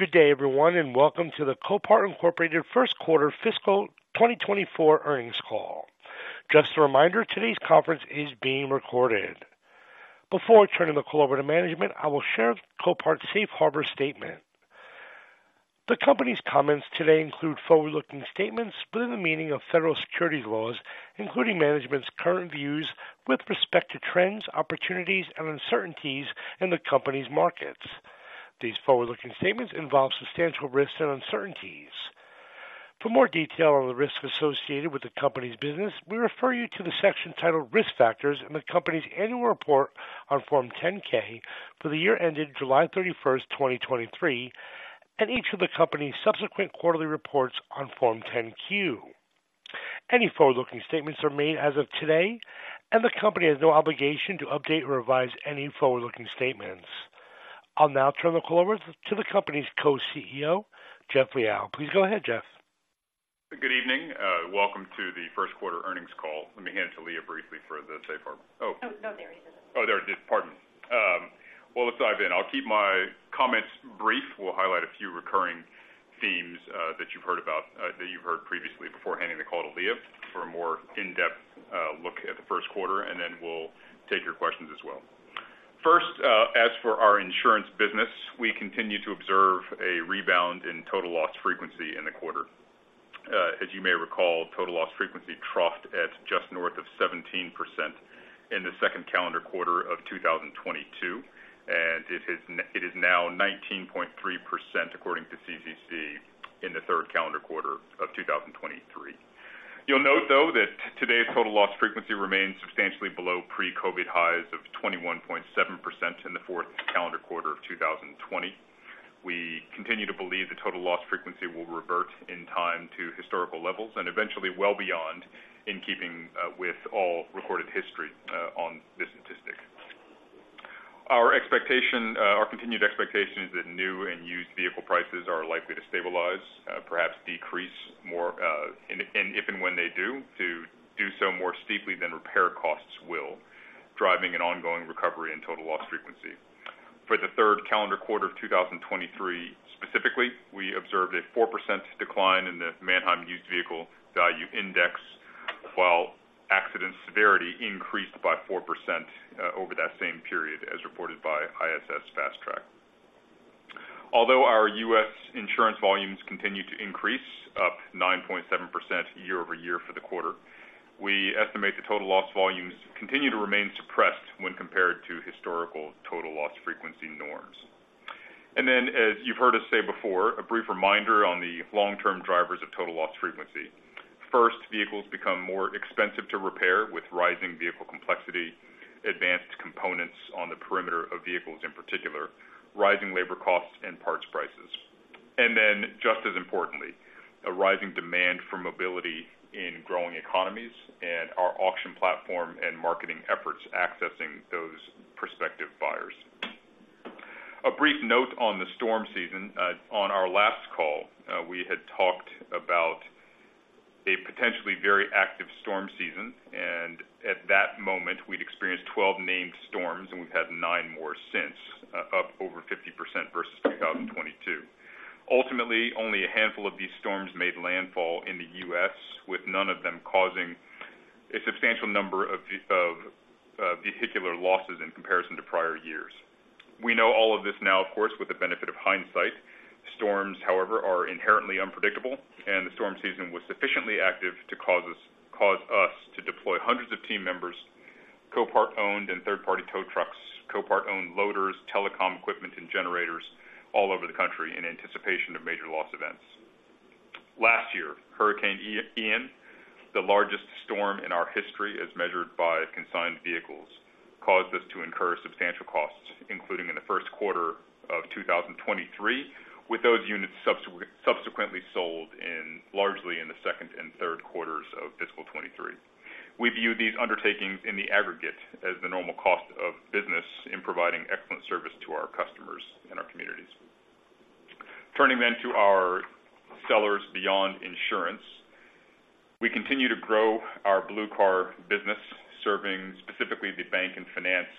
Good day, everyone, and welcome to the Copart Incorporated First Quarter Fiscal 2024 Earnings Call. Just a reminder, today's conference is being recorded. Before I turn the call over to management, I will share Copart's safe harbor statement. The company's comments today include forward-looking statements within the meaning of federal securities laws, including management's current views with respect to trends, opportunities, and uncertainties in the company's markets. These forward-looking statements involve substantial risks and uncertainties. For more detail on the risks associated with the company's business, we refer you to the section titled Risk Factors in the company's annual report on Form 10-K for the year ended July 31, 2023, and each of the company's subsequent quarterly reports on Form 10-Q. Any forward-looking statements are made as of today, and the company has no obligation to update or revise any forward-looking statements. I'll now turn the call over to the company's Co-CEO, Jeff Liaw. Please go ahead, Jeff. Good evening. Welcome to the first quarter earnings call. Let me hand it to Leah briefly for the safe harbor. Oh, no, there he is. Oh, there it is. Pardon. Well, let's dive in. I'll keep my comments brief. We'll highlight a few recurring themes that you've heard about that you've heard previously before handing the call to Leah for a more in-depth look at the first quarter, and then we'll take your questions as well. First, as for our Insurance business, we continue to observe a rebound in total loss frequency in the quarter. As you may recall, total loss frequency troughed at just north of 17% in the second calendar quarter of 2022, and it is now 19.3%, according to CCC, in the third calendar quarter of 2023. You'll note, though, that today's total loss frequency remains substantially below pre-COVID highs of 21.7% in the fourth calendar quarter of 2020. We continue to believe the total loss frequency will revert in time to historical levels and eventually well beyond, in keeping with all recorded history on this statistic. Our expectation, our continued expectation is that new and used vehicle prices are likely to stabilize, perhaps decrease more, and, and if and when they do, to do so more steeply than repair costs will, driving an ongoing recovery and total loss frequency. For the third calendar quarter of 2023, specifically, we observed a 4% decline in the Manheim Used Vehicle Value Index, while accident severity increased by 4%, over that same period, as reported by ISS Fast Track. Although our U.S. insurance volumes continue to increase, up 9.7% year-over-year for the quarter, we estimate the total loss volumes continue to remain suppressed when compared to historical total loss frequency norms. And then, as you've heard us say before, a brief reminder on the long-term drivers of total loss frequency. First, vehicles become more expensive to repair with rising vehicle complexity, advanced components on the perimeter of vehicles, in particular, rising labor costs and parts prices. And then, just as importantly, a rising demand for mobility in growing economies and our auction platform and marketing efforts accessing those prospective buyers. A brief note on the storm season. On our last call, we had talked about a potentially very active storm season, and at that moment, we'd experienced 12 named storms, and we've had nine more since, up over 50% versus 2022. Ultimately, only a handful of these storms made landfall in the U.S., with none of them causing a substantial number of vehicular losses in comparison to prior years. We know all of this now, of course, with the benefit of hindsight. Storms, however, are inherently unpredictable, and the storm season was sufficiently active to cause us to deploy hundreds of team members, Copart-owned and third-party tow trucks, Copart-owned loaders, telecom equipment, and generators all over the country in anticipation of major loss events. Last year, Hurricane Ian, the largest storm in our history, as measured by consigned vehicles, caused us to incur substantial costs, including in the first quarter of 2023, with those units subsequently sold largely in the second and third quarters of fiscal 2023. We view these undertakings in the aggregate as the normal cost of business in providing excellent service to our customers and our communities. Turning to our sellers beyond insurance, we continue to grow our Blue Car business, serving specifically the bank and finance,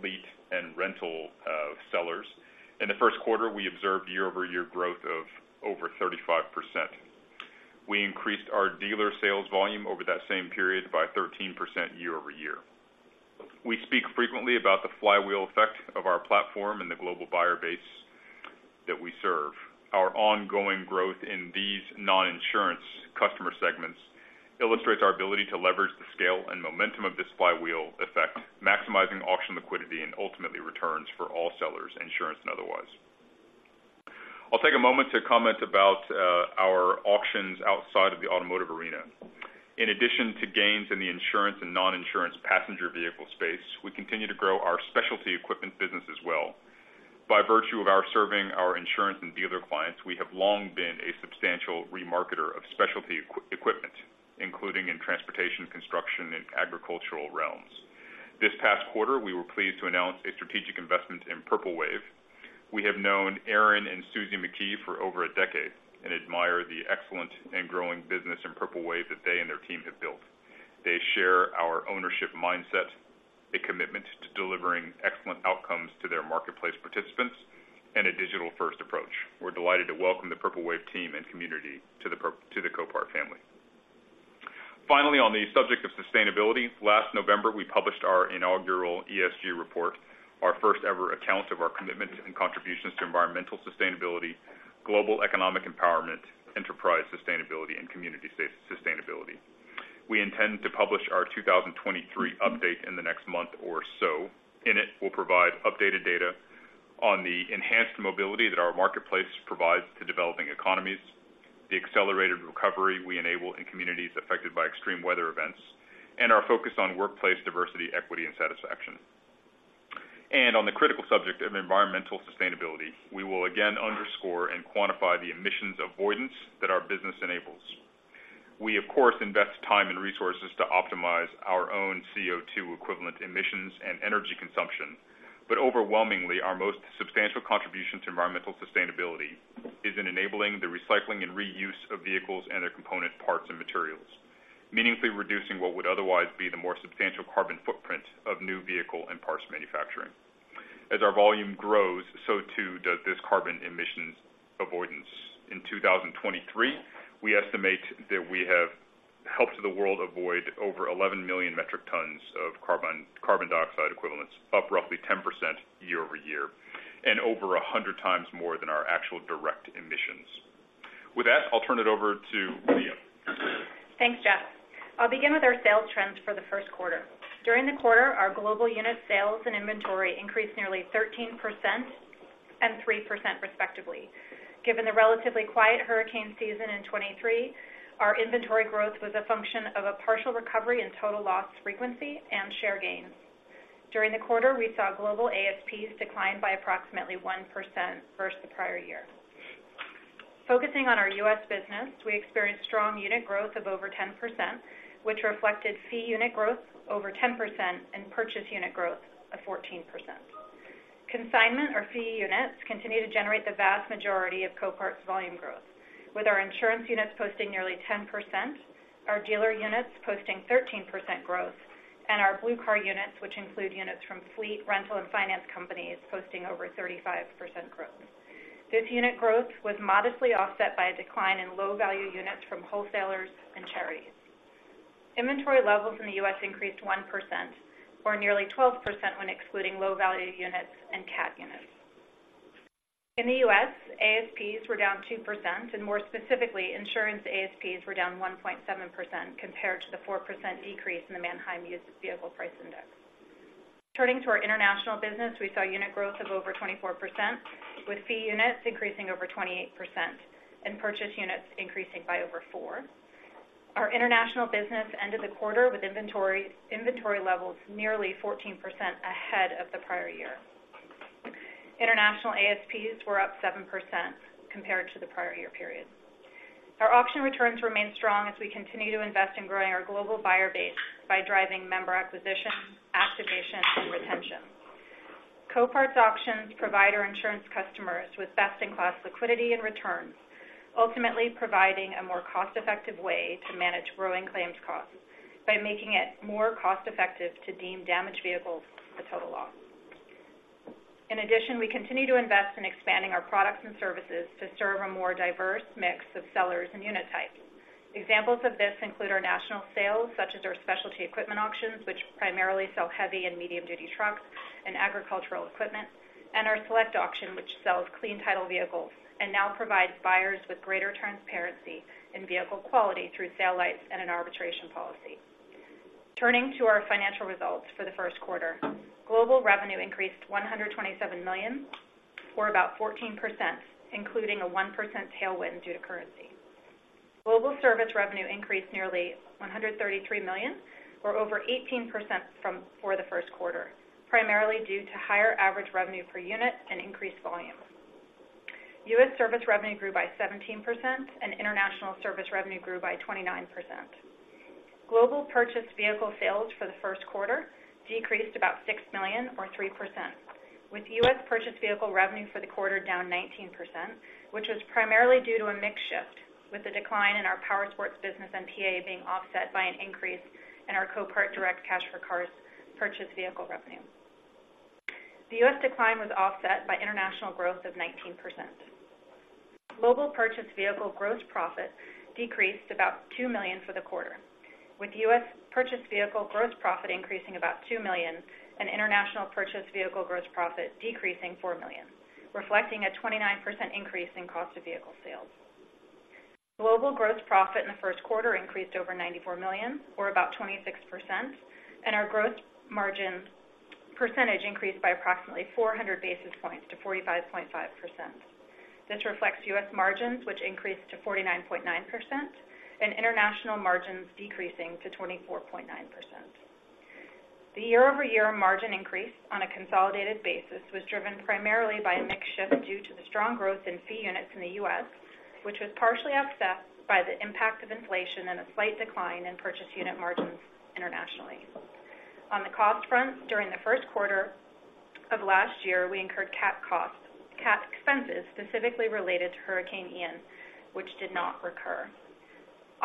fleet and rental sellers. In the first quarter, we observed year-over-year growth of over 35%. We increased our dealer sales volume over that same period by 13% year-over-year. We speak frequently about the flywheel effect of our platform and the global buyer base that we serve. Our ongoing growth in these non-insurance customer segments illustrates our ability to leverage the scale and momentum of this flywheel effect, maximizing auction liquidity and ultimately returns for all sellers, insurance and otherwise. I'll take a moment to comment about our auctions outside of the automotive arena. In addition to gains in the insurance and non-insurance passenger vehicle space, we continue to grow our specialty equipment business as well. By virtue of our serving our insurance and dealer clients, we have long been a substantial remarketer of specialty equipment, including in transportation, construction, and agricultural realms. This past quarter, we were pleased to announce a strategic investment in Purple Wave. We have known Aaron and Suzy McKee for over a decade and admire the excellent and growing business in Purple Wave that they and their team have built. They share our ownership mindset-... delivering excellent outcomes to their marketplace participants and a digital-first approach. We're delighted to welcome the Purple Wave team and community to the Copart family. Finally, on the subject of sustainability, last November, we published our inaugural ESG report, our first-ever account of our commitment and contributions to environmental sustainability, global economic empowerment, enterprise sustainability, and community sustainability. We intend to publish our 2023 update in the next month or so. In it, we'll provide updated data on the enhanced mobility that our marketplace provides to developing economies, the accelerated recovery we enable in communities affected by extreme weather events, and our focus on workplace diversity, equity, and satisfaction. And on the critical subject of environmental sustainability, we will again underscore and quantify the emissions avoidance that our business enables. We, of course, invest time and resources to optimize our own CO2 equivalent emissions and energy consumption, but overwhelmingly, our most substantial contribution to environmental sustainability is in enabling the recycling and reuse of vehicles and their component parts and materials, meaningfully reducing what would otherwise be the more substantial carbon footprint of new vehicle and parts manufacturing. As our volume grows, so too does this carbon emissions avoidance. In 2023, we estimate that we have helped the world avoid over 11 million metric tons of carbon, carbon dioxide equivalents, up roughly 10% year-over-year, and over 100x more than our actual direct emissions. With that, I'll turn it over to Leah. Thanks, Jeff. I'll begin with our sales trends for the first quarter. During the quarter, our global unit sales and inventory increased nearly 13% and 3%, respectively. Given the relatively quiet hurricane season in 2023, our inventory growth was a function of a partial recovery in total loss frequency and share gains. During the quarter, we saw global ASPs decline by approximately 1% versus the prior year. Focusing on our U.S. business, we experienced strong unit growth of over 10%, which reflected fee unit growth over 10% and purchase unit growth of 14%. Consignment or fee units continue to generate the vast majority of Copart's volume growth, with our insurance units posting nearly 10%, our dealer units posting 13% growth, and our Blue Car units, which include units from fleet, rental, and finance companies, posting over 35% growth. This unit growth was modestly offset by a decline in low-value units from wholesalers and charities. Inventory levels in the U.S. increased 1% or nearly 12% when excluding low-value units and CAT units. In the U.S., ASPs were down 2%, and more specifically, insurance ASPs were down 1.7% compared to the 4% decrease in the Manheim Used Vehicle Value Index. Turning to our international business, we saw unit growth of over 24%, with fee units increasing over 28% and purchase units increasing by over 4%. Our international business ended the quarter with inventory levels nearly 14% ahead of the prior year. International ASPs were up 7% compared to the prior year period. Our auction returns remain strong as we continue to invest in growing our global buyer base by driving member acquisition, activation, and retention. Copart's auctions provide our insurance customers with best-in-class liquidity and returns, ultimately providing a more cost-effective way to manage growing claims costs by making it more cost-effective to deem damaged vehicles a total loss. In addition, we continue to invest in expanding our products and services to serve a more diverse mix of sellers and unit types. Examples of this include our national sales, such as our specialty equipment auctions, which primarily sell heavy and medium-duty trucks and agricultural equipment, and our Select auction, which sells clean title vehicles and now provides buyers with greater transparency in vehicle quality through satellites and an arbitration policy. Turning to our financial results for the first quarter, global revenue increased $127 million, or about 14%, including a 1% tailwind due to currency. Global service revenue increased nearly $133 million, or over 18% for the first quarter, primarily due to higher average revenue per unit and increased volume. U.S. service revenue grew by 17%, and international service revenue grew by 29%. Global purchased vehicle sales for the first quarter decreased about $6 million, or 3%, with U.S. purchased vehicle revenue for the quarter down 19%, which was primarily due to a mix shift, with a decline in our powersports business NPA being offset by an increase in our Copart Direct Cash for Cars purchased vehicle revenue. The U.S. decline was offset by international growth of 19%. Global purchased vehicle gross profit decreased about $2 million for the quarter, with U.S. purchased vehicle gross profit increasing about $2 million and international purchased vehicle gross profit decreasing $4 million, reflecting a 29% increase in cost of vehicle sales. Global gross profit in the first quarter increased over $94 million, or about 26%, and our gross margin percentage increased by approximately 400 basis points to 45.5%. This reflects U.S. margins, which increased to 49.9%, and international margins decreasing to 24.9%. The year-over-year margin increase on a consolidated basis was driven primarily by a mix shift due to the strong growth in fee units in the U.S., which was partially offset by the impact of inflation and a slight decline in purchase unit margins internationally. On the cost front, during the first quarter... of last year, we incurred CapEx costs, CapEx expenses specifically related to Hurricane Ian, which did not recur.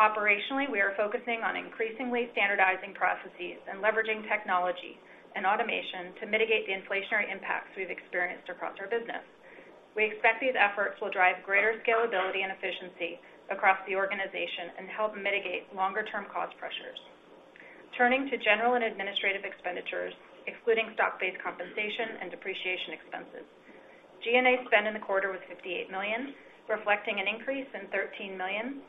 Operationally, we are focusing on increasingly standardizing processes and leveraging technology and automation to mitigate the inflationary impacts we've experienced across our business. We expect these efforts will drive greater scalability and efficiency across the organization and help mitigate longer-term cost pressures. Turning to general and administrative expenditures, excluding stock-based compensation and depreciation expenses. G&A spend in the quarter was $58 million, reflecting an increase in $13 million,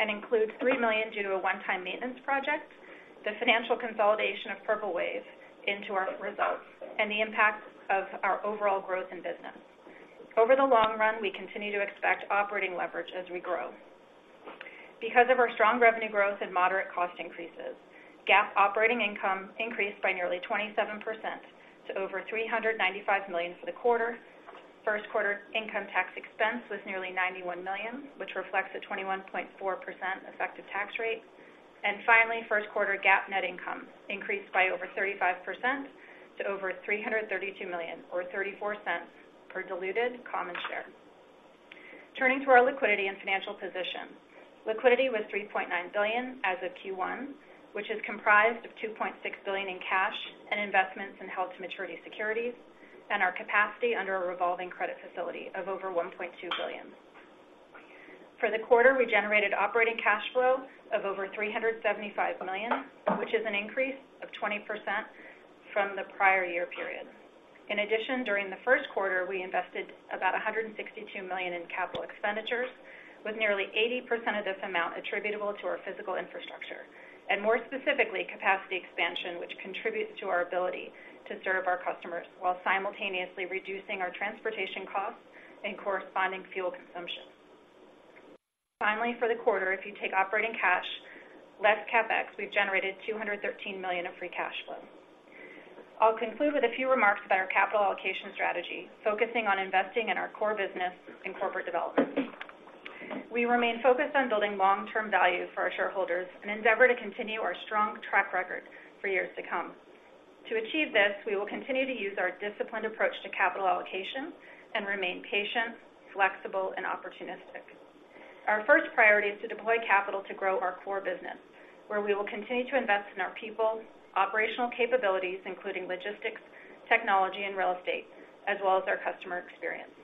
and includes $3 million due to a one-time maintenance project, the financial consolidation of Purple Wave into our results, and the impact of our overall growth in business. Over the long run, we continue to expect operating leverage as we grow. Because of our strong revenue growth and moderate cost increases, GAAP operating income increased by nearly 27% to over $395 million for the quarter. First quarter income tax expense was nearly $91 million, which reflects a 21.4% effective tax rate. And finally, first quarter GAAP net income increased by over 35% to over $332 million, or $0.34 per diluted common share. Turning to our liquidity and financial position. Liquidity was $3.9 billion as of Q1, which is comprised of $2.6 billion in cash and investments in held-to-maturity securities, and our capacity under a revolving credit facility of over $1.2 billion. For the quarter, we generated operating cash flow of over $375 million, which is an increase of 20% from the prior year period. In addition, during the first quarter, we invested about $162 million in capital expenditures, with nearly 80% of this amount attributable to our physical infrastructure, and more specifically, capacity expansion, which contributes to our ability to serve our customers while simultaneously reducing our transportation costs and corresponding fuel consumption. Finally, for the quarter, if you take operating cash, less CapEx, we've generated $213 million of free cash flow. I'll conclude with a few remarks about our capital allocation strategy, focusing on investing in our core business and corporate development. We remain focused on building long-term value for our shareholders and endeavor to continue our strong track record for years to come. To achieve this, we will continue to use our disciplined approach to capital allocation and remain patient, flexible, and opportunistic. Our first priority is to deploy capital to grow our core business, where we will continue to invest in our people, operational capabilities, including logistics, technology, and real estate, as well as our customer experience.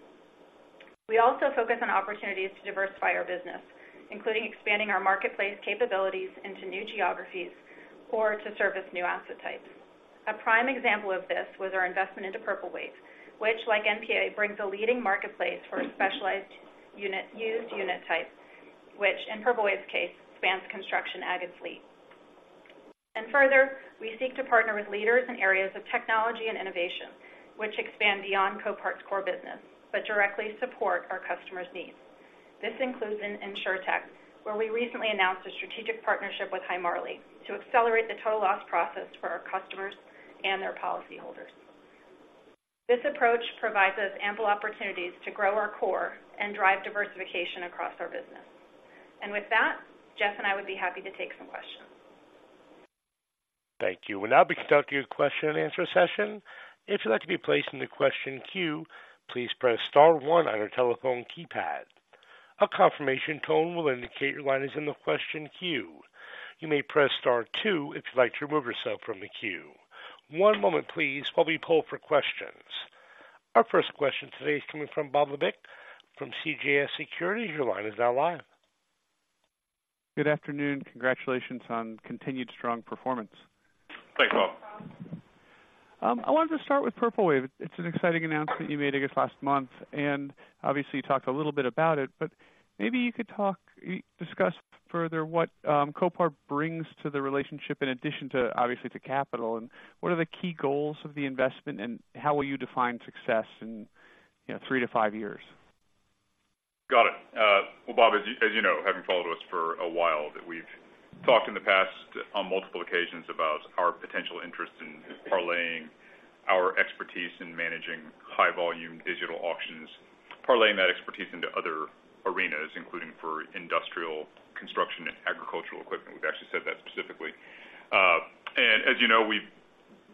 We also focus on opportunities to diversify our business, including expanding our marketplace capabilities into new geographies or to service new asset types. A prime example of this was our investment into Purple Wave, which, like NPA, brings a leading marketplace for a specialized unit-used unit type, which in Purple Wave's case, spans construction ag and fleet. Further, we seek to partner with leaders in areas of technology and innovation, which expand beyond Copart's core business, but directly support our customers' needs. This includes in Insurtech, where we recently announced a strategic partnership with Hi Marley to accelerate the total loss process for our customers and their policyholders. This approach provides us ample opportunities to grow our core and drive diversification across our business. With that, Jeff and I would be happy to take some questions. Thank you. We'll now be conducting a question-and-answer session. If you'd like to be placed in the question queue, please press star one on your telephone keypad. A confirmation tone will indicate your line is in the question queue. You may press star two if you'd like to remove yourself from the queue. One moment, please, while we poll for questions. Our first question today is coming from Bob Labick from CJS Securities. Your line is now live. Good afternoon. Congratulations on continued strong performance. Thanks, Bob. I wanted to start with Purple Wave. It's an exciting announcement you made, I guess, last month, and obviously, you talked a little bit about it, but maybe you could talk, discuss further what, Copart brings to the relationship in addition to, obviously, the capital, and what are the key goals of the investment, and how will you define success in, you know, three to five years? Got it. Well, Bob, as you know, having followed us for a while, that we've talked in the past on multiple occasions about our potential interest in parlaying our expertise in managing high-volume digital auctions, parlaying that expertise into other arenas, including for industrial, construction, and agricultural equipment. We've actually said that specifically. And as you know,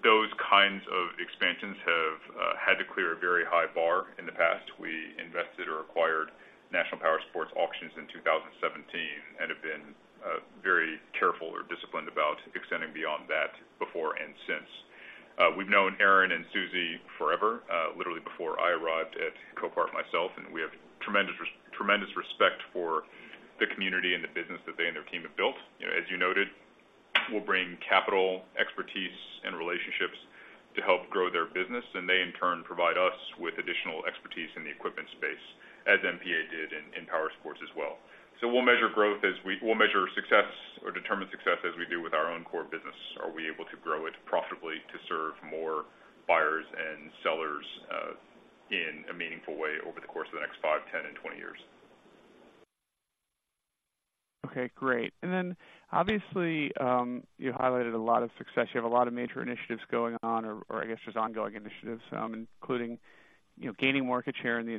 those kinds of expansions have had to clear a very high bar in the past. We invested or acquired National Powersport Auctions in 2017 and have been very careful or disciplined about extending beyond that before and since. We've known Aaron and Suzy forever, literally before I arrived at Copart myself, and we have tremendous respect for the community and the business that they and their team have built. As you noted, we'll bring capital, expertise, and relationships to help grow their business, and they, in turn, provide us with additional expertise in the equipment space, as NPA did in powersports as well. So we'll measure growth as we'll measure success or determine success as we do with our own core business. Are we able to grow it profitably to serve more buyers and sellers in a meaningful way over the course of the next five, 10, and 20 years? Okay, great. And then obviously, you highlighted a lot of success. You have a lot of major initiatives going on, or I guess, just ongoing initiatives, including... You know, gaining market share in the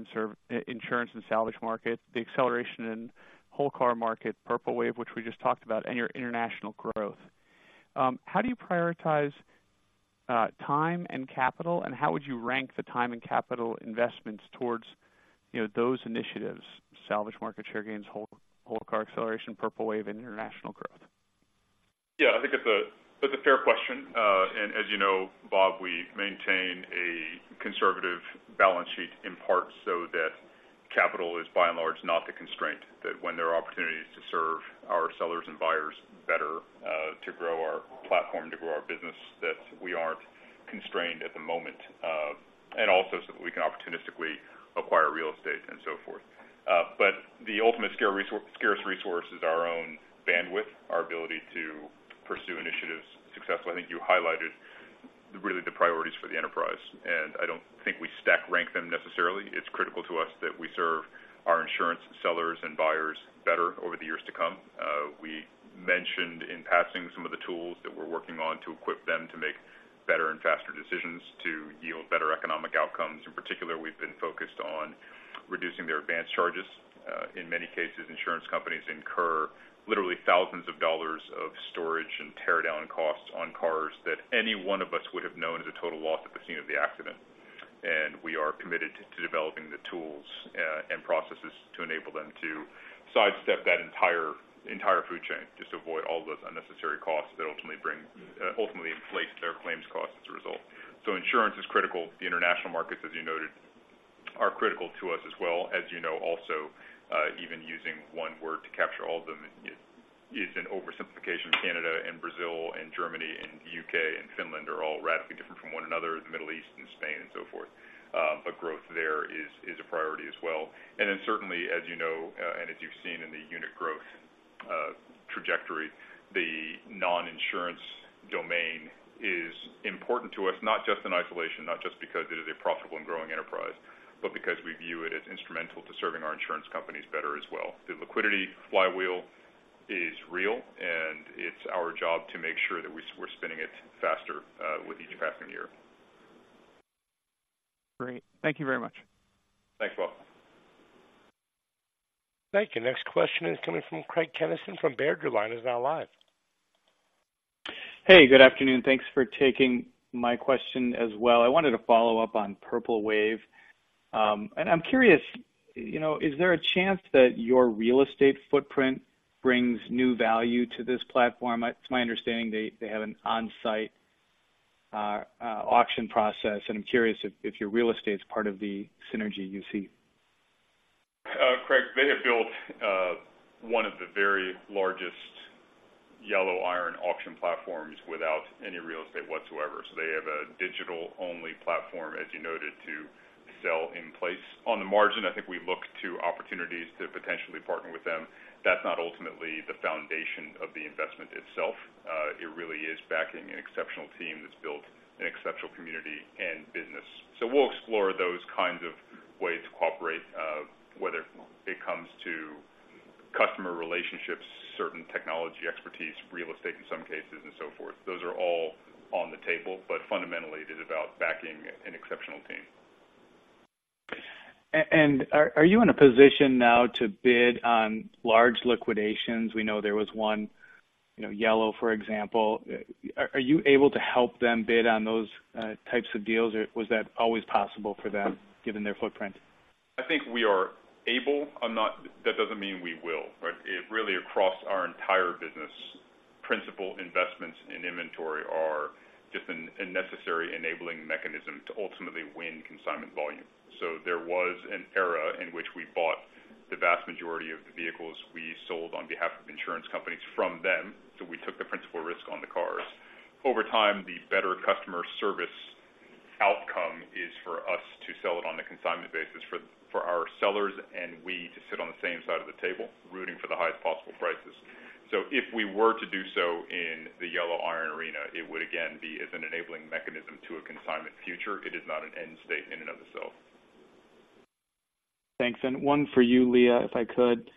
insurance and salvage market, the acceleration in whole car market, Purple Wave, which we just talked about, and your international growth. How do you prioritize, time and capital, and how would you rank the time and capital investments towards, you know, those initiatives: salvage market share gains, whole car acceleration, Purple Wave, and international growth? Yeah, I think that's a fair question. And as you know, Bob, we maintain a conservative balance sheet, in part, so that capital is by and large, not the constraint. That when there are opportunities to serve our sellers and buyers better, to grow our platform, to grow our business, that we aren't constrained at the moment, and also so that we can opportunistically acquire real estate and so forth. But the ultimate scarce resource is our own bandwidth, our ability to pursue initiatives successfully. I think you highlighted really the priorities for the enterprise, and I don't think we stack rank them necessarily. It's critical to us that we serve our insurance sellers and buyers better over the years to come. We mentioned in passing some of the tools that we're working on to equip them to make better and faster decisions to yield better economic outcomes. In particular, we've been focused on reducing their advanced charges. In many cases, insurance companies incur literally thousands of dollars of storage and tear down costs on cars that any one of us would have known as a total loss at the scene of the accident. We are committed to developing the tools and processes to enable them to sidestep that entire food chain, just to avoid all those unnecessary costs that ultimately bring, ultimately inflate their claims costs as a result. So insurance is critical. The international markets, as you noted, are critical to us as well. As you know, also, even using one word to capture all of them is an oversimplification. Canada and Brazil and Germany and the U.K. and Finland are all radically different from one another, the Middle East and Spain and so forth. But growth there is a priority as well. And then certainly, as you know, and as you've seen in the unit growth trajectory, the non-insurance domain is important to us, not just in isolation, not just because it is a profitable and growing enterprise, but because we view it as instrumental to serving our insurance companies better as well. The liquidity flywheel is real, and it's our job to make sure that we're spinning it faster with each passing year. Great. Thank you very much. Thanks, Bob. Thank you. Next question is coming from Craig Kennison from Baird. Your line is now live. Hey, good afternoon. Thanks for taking my question as well. I wanted to follow up on Purple Wave. I'm curious, you know, is there a chance that your real estate footprint brings new value to this platform? It's my understanding they have an on-site auction process, and I'm curious if your real estate is part of the synergy you see. Craig, they have built one of the very largest Yellow Iron auction platforms without any real estate whatsoever. So they have a digital-only platform, as you noted, to sell in place. On the margin, I think we look to opportunities to potentially partner with them. That's not ultimately the foundation of the investment itself. It really is backing an exceptional team that's built an exceptional community and business. So we'll explore those kinds of ways to cooperate, whether it comes to customer relationships, certain technology expertise, real estate in some cases, and so forth. Those are all on the table, but fundamentally, it is about backing an exceptional team. And are you in a position now to bid on large liquidations? We know there was one, you know, Yellow, for example. Are you able to help them bid on those types of deals, or was that always possible for them, given their footprint? I think we are able. I'm not. That doesn't mean we will, right? It really, across our entire business, principal investments in inventory are just a necessary enabling mechanism to ultimately win consignment volume. So there was an era in which we bought the vast majority of the vehicles we sold on behalf of insurance companies from them, so we took the principal risk on the cars. Over time, the better customer service outcome is for us to sell it on a consignment basis for our sellers, and we to sit on the same side of the table, rooting for the highest possible prices. So if we were to do so in the Yellow Iron arena, it would again be as an enabling mechanism to a consignment future. It is not an end state in and of itself. Thanks. And one for you, Leah, if I could.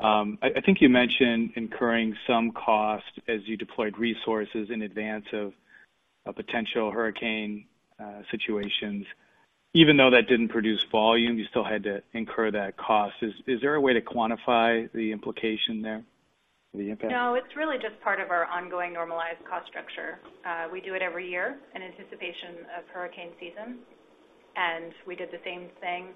I think you mentioned incurring some cost as you deployed resources in advance of a potential hurricane situations. Even though that didn't produce volume, you still had to incur that cost. Is there a way to quantify the implication there, the impact? No, it's really just part of our ongoing normalized cost structure. We do it every year in anticipation of hurricane season, and we did the same thing,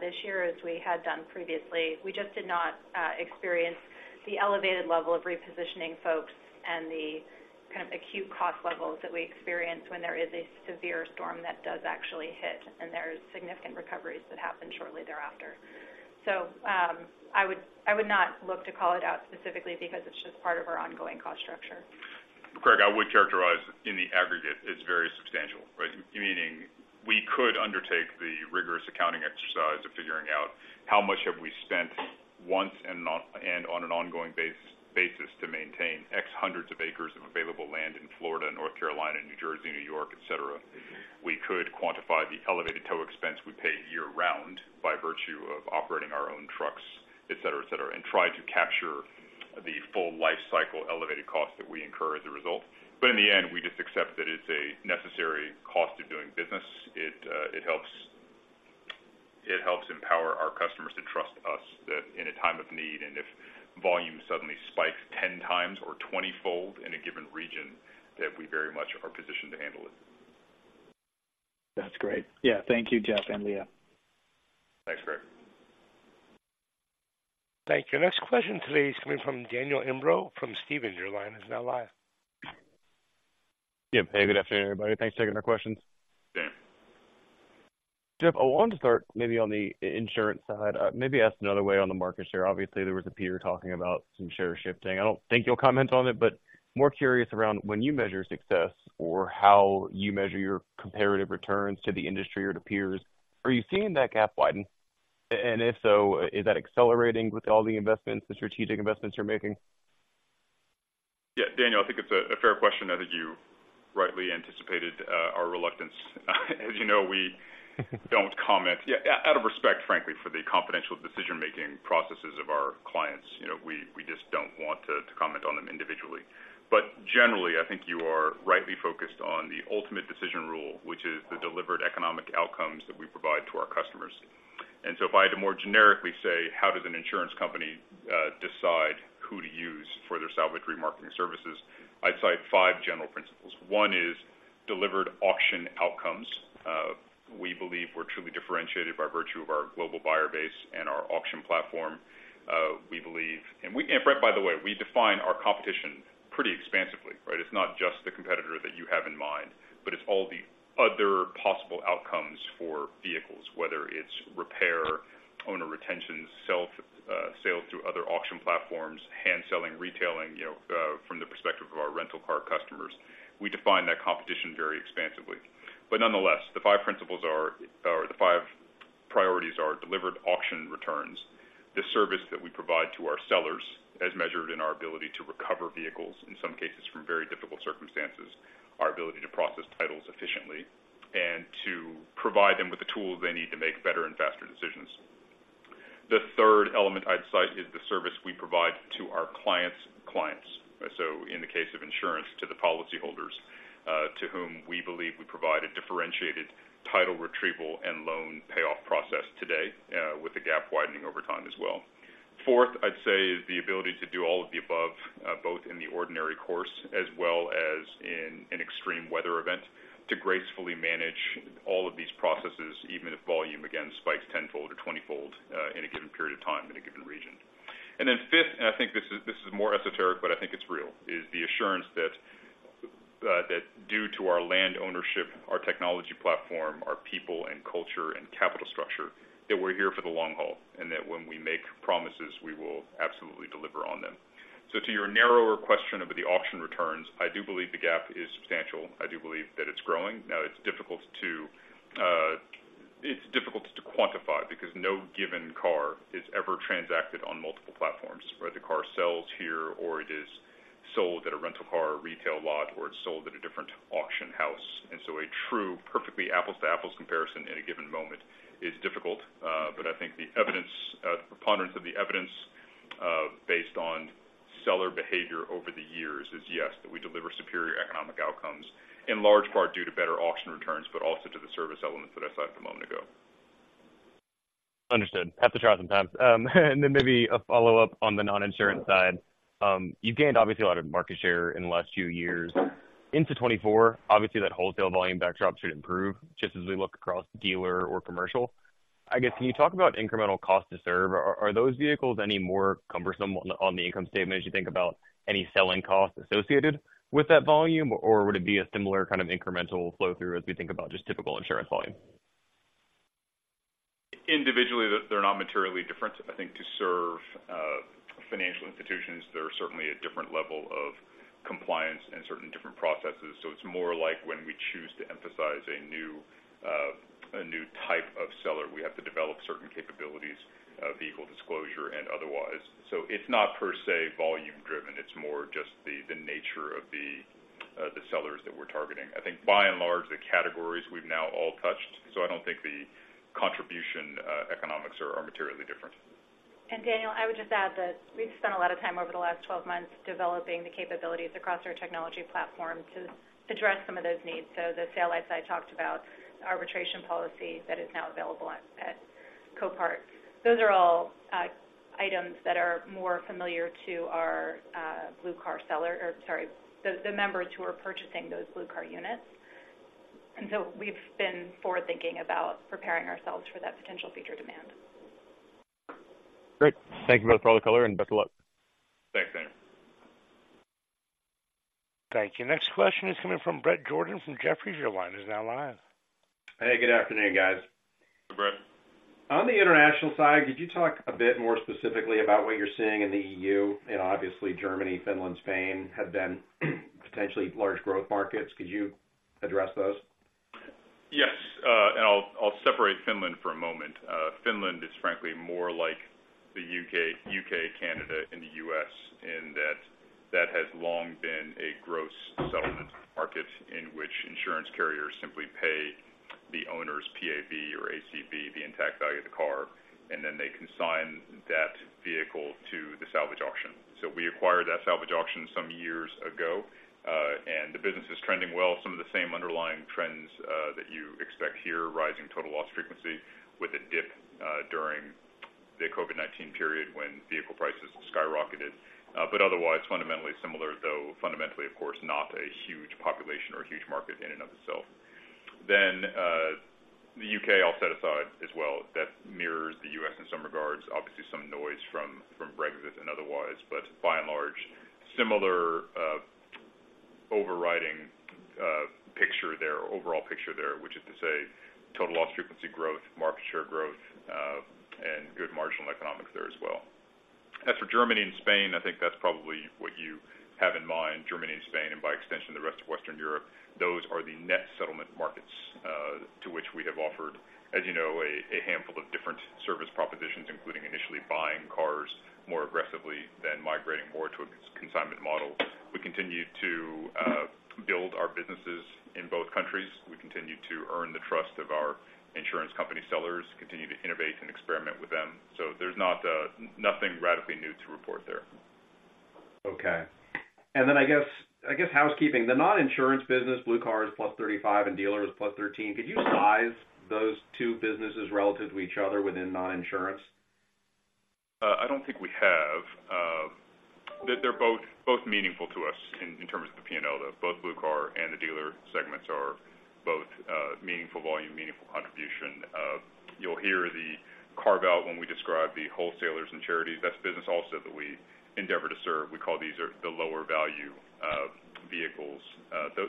this year as we had done previously. We just did not experience the elevated level of repositioning folks and the kind of acute cost levels that we experience when there is a severe storm that does actually hit, and there are significant recoveries that happen shortly thereafter. So, I would, I would not look to call it out specifically because it's just part of our ongoing cost structure. Craig, I would characterize in the aggregate, it's very substantial, right? Meaning we could undertake the rigorous accounting exercise of figuring out how much have we spent once and on, and on an ongoing basis to maintain hundreds of acres of available land in Florida, North Carolina, New Jersey, New York, et cetera. We could quantify the elevated tow expense we pay year-round by virtue of operating our own trucks, et cetera, et cetera, and try to capture the full life cycle elevated costs that we incur as a result. But in the end, we don't-... a time of need, and if volume suddenly spikes 10x or 20-fold in a given region, that we very much are positioned to handle it. That's great. Yeah. Thank you, Jeff and Leah. Thanks, Craig. Thank you. Next question today is coming from Daniel Imbro from Stephens. Your line is now live. Yep. Hey, good afternoon, everybody. Thanks for taking our questions. Dan. Jeff, I wanted to start maybe on the insurance side, maybe ask another way on the market share. Obviously, there was a peer talking about some share shifting. I don't think you'll comment on it, but more curious around when you measure success or how you measure your comparative returns to the industry or to peers, are you seeing that gap widen? And if so, is that accelerating with all the investments, the strategic investments you're making? Yeah, Daniel, I think it's a fair question. I think you rightly anticipated our reluctance. As you know, we don't comment. Yeah, out of respect, frankly, for the confidential decision-making processes of our clients. You know, we just don't want to comment on them individually. But generally, I think you are rightly focused on the ultimate decision rule, which is the delivered economic outcomes that we provide to our customers. And so if I had to more generically say, how does an insurance company decide who to use for their salvage remarketing services, I'd cite five general principles. One is delivered auction outcomes. We believe we're truly differentiated by virtue of our global buyer base and our auction platform. We believe, and we, by the way, we define our competition pretty expansively, right? It's not just the competitor that you have in mind, but it's all the other possible outcomes for vehicles, whether it's repair, owner retention, self, sales through other auction platforms, hand selling, retailing, you know, from the perspective of our rental car customers. We define that competition very expansively. But nonetheless, the five principles are, or the five priorities are delivered auction returns, the service that we provide to our sellers, as measured in our ability to recover vehicles, in some cases from very difficult circumstances, our ability to process titles efficiently, and to provide them with the tools they need to make better and faster decisions. The third element I'd cite is the service we provide to our clients' clients. So in the case of insurance, to the policyholders, to whom we believe we provide a differentiated title retrieval and loan payoff process today, with the gap widening over time as well. Fourth, I'd say, is the ability to do all of the above, both in the ordinary course as well as in an extreme weather event, to gracefully manage all of these processes, even if volume, again, spikes tenfold or twentyfold, in a given period of time in a given region. And then fifth, and I think this is, this is more esoteric, but I think it's real, is the assurance that, that due to our land ownership, our technology platform, our people and culture and capital structure, that we're here for the long haul, and that when we make promises, we will absolutely deliver on them. So to your narrower question about the auction returns, I do believe the gap is substantial. I do believe that it's growing. Now, it's difficult to quantify because no given car is ever transacted on multiple platforms, right? The car sells here, or it is sold at a rental car or retail lot, or it's sold at a different auction house. And so a true, perfectly apples-to-apples comparison in a given moment is difficult. But I think the evidence, the preponderance of the evidence, based on seller behavior over the years is yes, that we deliver superior economic outcomes, in large part due to better auction returns, but also to the service elements that I said a moment ago. Understood. Have to try sometimes. And then maybe a follow-up on the non-insurance side. You've gained, obviously, a lot of market share in the last few years. Into 2024, obviously, that wholesale volume backdrop should improve just as we look across dealer or commercial. I guess, can you talk about incremental cost to serve? Are those vehicles any more cumbersome on the income statement as you think about any selling costs associated with that volume, or would it be a similar kind of incremental flow through as we think about just typical insurance volume? Individually, they're not materially different. I think to serve financial institutions, there are certainly a different level of compliance and certainly different processes. So it's more like when we choose to emphasize a new type of seller, we have to develop certain capabilities of vehicle disclosure and otherwise. So it's not per se volume driven; it's more just the nature of the sellers that we're targeting. I think by and large, the categories we've now all touched, so I don't think the contribution economics are materially different. And Daniel, I would just add that we've spent a lot of time over the last 12 months developing the capabilities across our technology platform to address some of those needs. So the sale, as I talked about, arbitration policy that is now available at Copart. Those are all, items that are more familiar to our Blue Car seller, or sorry, the members who are purchasing those Blue Car units. And so we've been forward-thinking about preparing ourselves for that potential future demand. Great. Thank you both for all the color, and best of luck. Thanks, Dan. Thank you. Next question is coming from Bret Jordan from Jefferies. Your line is now live. Hey, good afternoon, guys. Hey, Bret. On the international side, could you talk a bit more specifically about what you're seeing in the E.U.? Obviously, Germany, Finland, Spain have been potentially large growth markets. Could you address those? Yes, and I'll separate Finland for a moment. Finland is frankly more like the U.K., Canada, and the U.S., in that that has long been a gross settlement market in which insurance carriers simply pay the owner's PAV or ACV, the intact value of the car, and then they consign that vehicle to the salvage auction. So we acquired that salvage auction some years ago, and the business is trending well. Some of the same underlying trends that you expect here, rising total loss frequency with a dip during the COVID-19 period when vehicle prices skyrocketed. But otherwise, fundamentally similar, though fundamentally, of course, not a huge population or a huge market in and of itself. Then, the U.K., I'll set aside as well. That mirrors the U.S. in some regards, obviously, some noise from Brexit and otherwise, but by and large, similar, overriding picture there, overall picture there, which is to say, total loss frequency growth, market share growth, and good marginal economics there as well. As for Germany and Spain, I think that's probably what you have in mind, Germany and Spain, and by extension, the rest of Western Europe. Those are the net settlement markets, to which we have offered, as you know, a handful of different service propositions, including initially buying cars more aggressively, then migrating more to a consignment model. We continue to build our businesses in both countries. We continue to earn the trust of our insurance company sellers, continue to innovate and experiment with them. So there's not nothing radically new to report there. Okay. Then I guess housekeeping. The non-insurance business, Blue Car is +35, and Dealer is +13. Could you size those two businesses relative to each other within non-insurance? I don't think we have. They're both meaningful to us in terms of the P&L, though. Both Blue Car and the dealer segments are meaningful volume, meaningful contribution. You'll hear the carve-out when we describe the wholesalers and charities. That's business also that we endeavor to serve. We call these are the lower value vehicles.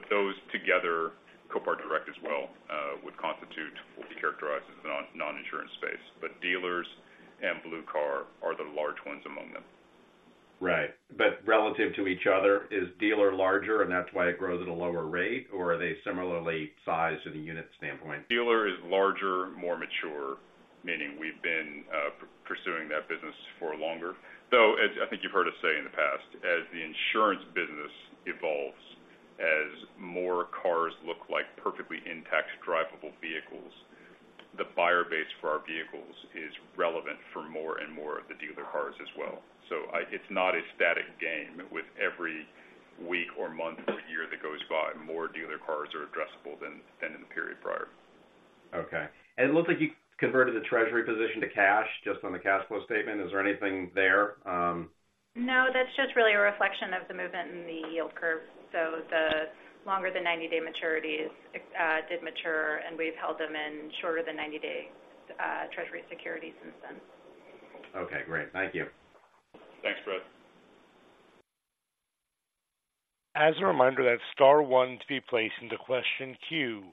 Those together, Copart Direct as well, would constitute what we characterize as the non-insurance space. But dealers and Blue Car are the large ones among them. Right. But relative to each other, is dealer larger, and that's why it grows at a lower rate, or are they similarly sized from a unit standpoint? Dealer is larger, more mature, meaning we've been pursuing that business for longer. So as I think you've heard us say in the past, as the insurance business evolves, as more cars look like perfectly intact, drivable vehicles, the buyer base for our vehicles is relevant for more and more of the dealer cars as well. So it's not a static game. With every week or month or year that goes by, more dealer cars are addressable than in the period prior. Okay. It looks like you converted the treasury position to cash just on the cash flow statement. Is there anything there? No, that's just really a reflection of the movement in the yield curve. So the longer the 90-day maturities did mature, and we've held them in shorter than 90-day treasury securities since then. Okay, great. Thank you. Thanks, Bret. As a reminder, that's star one to be placed into question queue.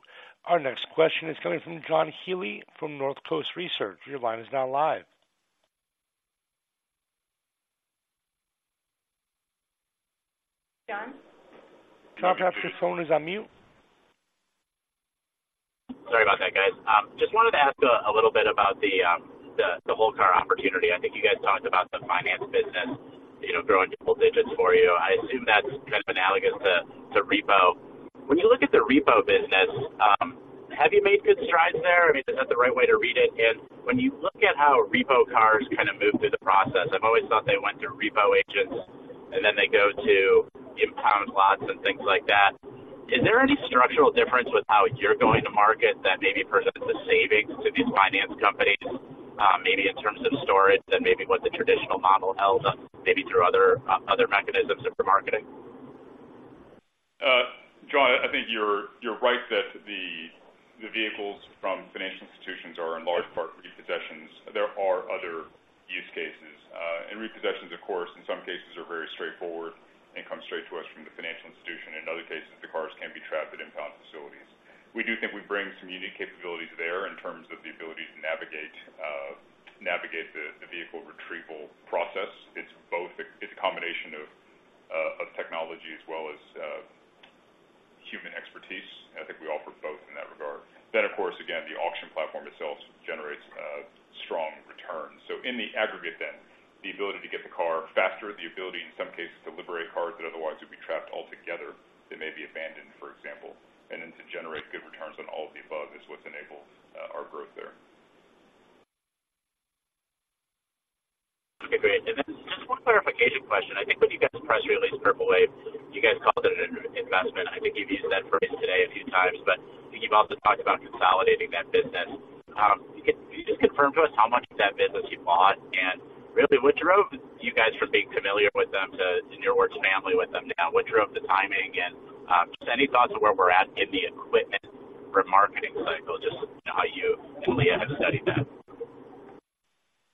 Our next question is coming from John Healy from Northcoast Research. Your line is now live. John? John, perhaps your phone is on mute. Sorry about that, guys. Just wanted to ask a little bit about the whole car opportunity. I think you guys talked about the finance business, you know, growing double digits for you. I assume that's kind of analogous to repo. When you look at the repo business, have you made good strides there? I mean, is that the right way to read it? And when you look at how repo cars kind of move through the process, I've always thought they went through repo agents, and then they go to impound lots and things like that. Is there any structural difference with how you're going to market that maybe presents a savings to these finance companies, maybe in terms of storage than maybe what the traditional model held on, maybe through other mechanisms of remarketing? John, I think you're right that the vehicles from financial institutions are in large part repossessions. There are other use cases, and repossessions, of course, in some cases, are very straightforward and come straight to us from the financial institution. In other cases, the cars can be trapped at impound facilities. We do think we bring some unique capabilities there in terms of the ability to navigate the vehicle retrieval process. It's both a combination of technology as well as human expertise. I think we offer both in that regard. Then, of course, again, the auction platform itself generates strong returns. So in the aggregate then, the ability to get the car faster, the ability, in some cases, to liberate cars that otherwise would be trapped altogether, they may be abandoned, for example, and then to generate good returns on all of the above is what's enabled our growth there. Okay, great. And then just one clarification question. I think when you guys press released Purple Wave, you guys called it an investment. I think you've used that phrase today a few times, but I think you've also talked about consolidating that business. Can you just confirm to us how much of that business you bought? And really, what drove you guys from being familiar with them to, you know, working family with them now? What drove the timing, and just any thoughts on where we're at in the equipment remarketing cycle, just how you and Leah have studied that?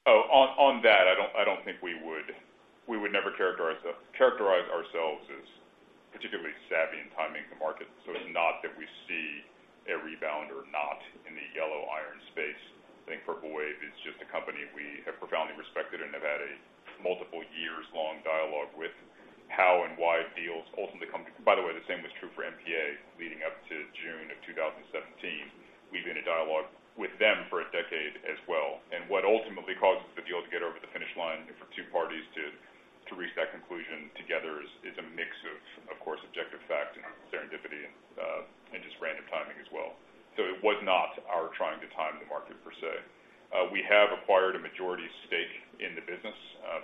Oh, on that, I don't think we would. We would never characterize ourselves as particularly savvy in timing the market. So it's not that we see a rebound or not in the Yellow Iron space. I think Purple Wave is just a company we have profoundly respected and have had a multiple years-long dialogue with how and why deals ultimately come to. By the way, the same was true for NPA leading up to June of 2017. We've been in dialogue with them for a decade as well. And what ultimately causes the deal to get over the finish line and for two parties to reach that conclusion together is a mix of course, objective fact and serendipity, and just random timing as well. So it was not our trying to time the market per se. We have acquired a majority stake in the business,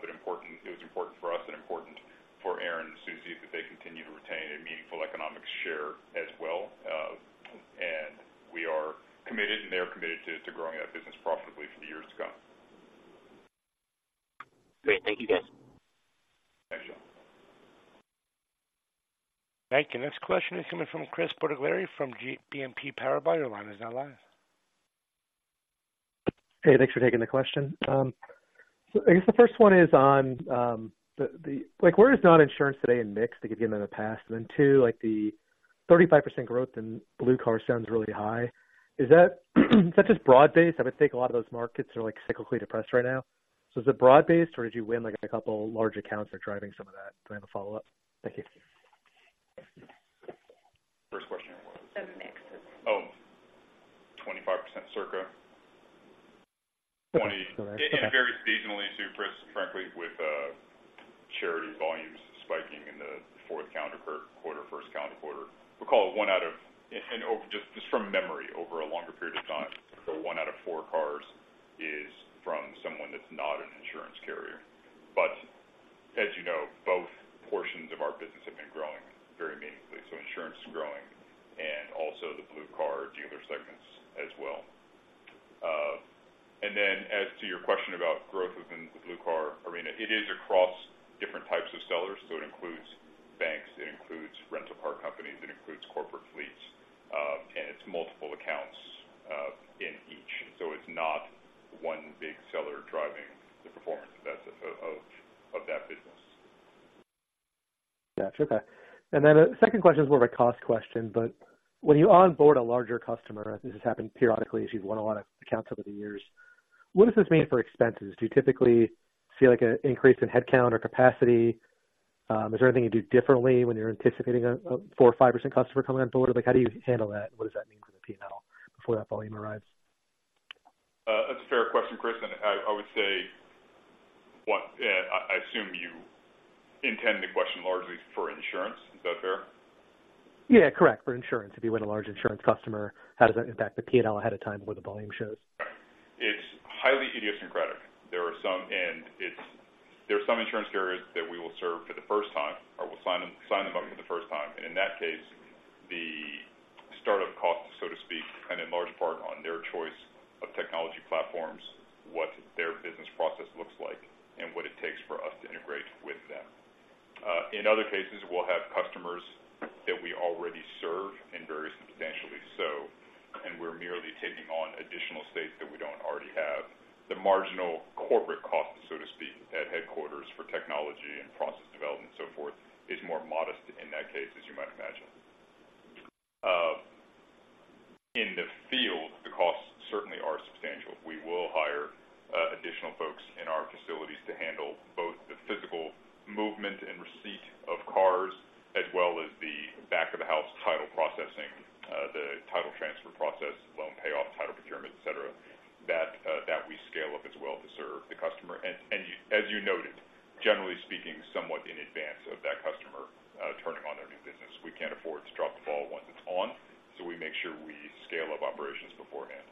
but important, it was important for us and important for Aaron and Suzy that they continue to retain a meaningful economic share as well, and we are committed, and they are committed to growing that business profitably for the years to come. Great. Thank you, guys. Thanks, John. Thank you. Next question is coming from Chris Bottiglieri from BNP Paribas. Your line is now live. Hey, thanks for taking the question. I guess the first one is on, like, where is non-insurance today in mix to give you another pass? And then two, like, the 35% growth in Blue Car sounds really high. Is that just broad-based? I would think a lot of those markets are, like, cyclically depressed right now. So is it broad-based, or did you win, like, a couple large accounts that are driving some of that? Then I have a follow-up. Thank you. First question was? The mix is- Oh, 25% circa. Okay. It varies seasonally too, Chris, frankly, with charity volumes spiking in the fourth calendar quarter, first calendar quarter. We call it one out of four. Over a longer period of time, so one out of four cars is from someone that's not an insurance carrier. But as you know, both portions of our business have been growing very meaningfully. So insurance is growing and also the Blue Car dealer segments as well. And then as to your question about growth within the Blue Car arena, it is across different types of sellers, so it includes banks, it includes rental car companies, it includes corporate fleets, and it's multiple accounts in each. So it's not one big seller driving the performance of that business. Yeah, sure. Okay. And then the second question is more of a cost question, but when you onboard a larger customer, this has happened periodically as you've won a lot of accounts over the years, what does this mean for expenses? Do you typically see, like, an increase in headcount or capacity? Is there anything you do differently when you're anticipating a 4% or 5% customer coming on board? Like, how do you handle that, and what does that mean for the P&L before that volume arrives? That's a fair question, Chris, and I, I would say, one, I, I assume you intend the question largely for insurance. Is that fair? Yeah, correct. For insurance. If you win a large insurance customer, how does that impact the P&L ahead of time before the volume shows? Right. It's highly idiosyncratic. There are some insurance carriers that we will serve for the first time or we'll sign them up for the first time. And in that case, the startup costs, so to speak, depend in large part on their choice of technology platforms, what their business process looks like, and what it takes for us to integrate with them. In other cases, we'll have customers that we already serve in various and potentially so, and we're merely taking on additional states that we don't already have. The marginal corporate costs, so to speak, at headquarters for technology and process development, so forth, is more modest in that case, as you might imagine. In the field, the costs certainly are substantial. We will hire additional folks in our facilities to handle both the physical movement and receipt of cars, as well as the back of the house title processing, the title transfer process, loan payoff, title procurement, et cetera, that that we scale up as well to serve the customer. And as you noted, generally speaking, somewhat in advance of that customer turning on their new business. We can't afford to drop the ball once it's on, so we make sure we scale up operations beforehand.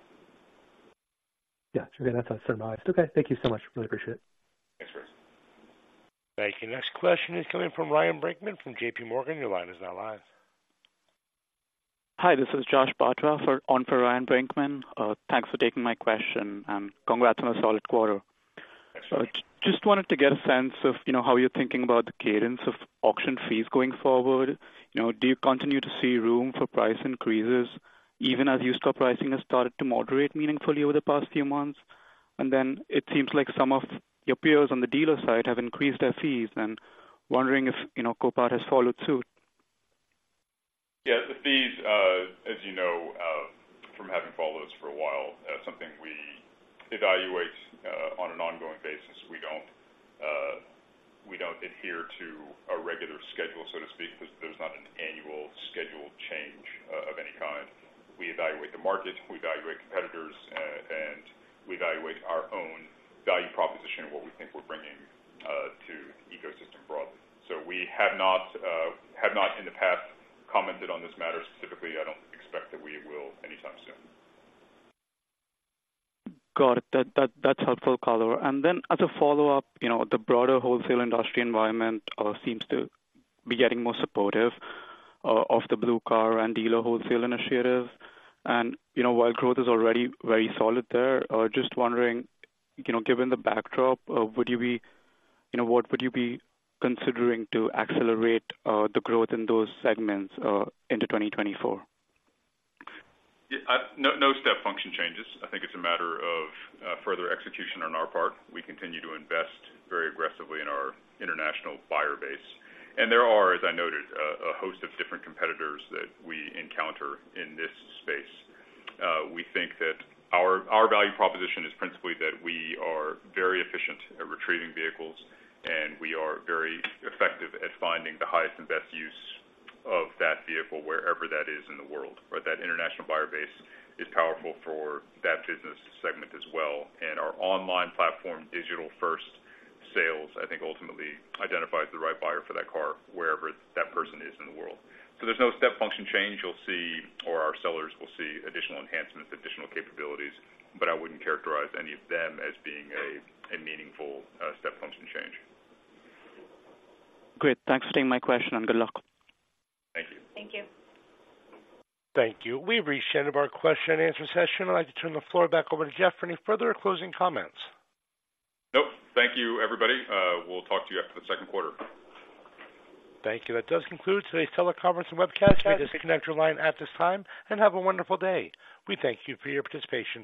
Yeah, sure. That's summarized. Okay, thank you so much. Really appreciate it. Thanks, Chris. Thank you. Next question is coming from Ryan Brinkman from JPMorgan. Your line is now live. Hi, this is Josh Batra on for Ryan Brinkman. Thanks for taking my question, and congrats on a solid quarter. Thanks. Just wanted to get a sense of, you know, how you're thinking about the cadence of auction fees going forward. You know, do you continue to see room for price increases, even as used car pricing has started to moderate meaningfully over the past few months? And then it seems like some of your peers on the dealer side have increased their fees, and wondering if, you know, Copart has followed suit? Yeah, the fees, as you know, from having followed us for a while, that's something we evaluate on an ongoing basis. We don't, we don't adhere to a regular schedule, so to speak, because there's not an annual scheduled change of any kind. We evaluate the market, we evaluate competitors, and we evaluate our own value proposition and what we think we're bringing to the ecosystem broadly. So we have not, have not in the past commented on this matter specifically. I don't expect that we will anytime soon. Got it. That that's helpful color. And then as a follow-up, you know, the broader wholesale industry environment seems to be getting more supportive of the Blue Car and dealer wholesale initiatives. And, you know, while growth is already very solid there, just wondering, you know, given the backdrop, would you be... You know, what would you be considering to accelerate the growth in those segments into 2024? Yeah, no, no step function changes. I think it's a matter of, further execution on our part. We continue to invest very aggressively in our international buyer base, and there are, as I noted, a host of different competitors that we encounter in this space. We think that our value proposition is principally that we are very efficient at retrieving vehicles, and we are very effective at finding the highest and best use of that vehicle, wherever that is in the world, right? That international buyer base is powerful for that business segment as well. And our online platform, digital-first sales, I think, ultimately identifies the right buyer for that car, wherever that person is in the world. So there's no step function change you'll see, or our sellers will see additional enhancements, additional capabilities, but I wouldn't characterize any of them as being a meaningful step function change. Great. Thanks for taking my question, and good luck. Thank you. Thank you. Thank you. We've reached the end of our question and answer session. I'd like to turn the floor back over to Jeff for any further closing comments. Nope. Thank you, everybody. We'll talk to you after the second quarter. Thank you. That does conclude today's teleconference and webcast. You may disconnect your line at this time, and have a wonderful day. We thank you for your participation.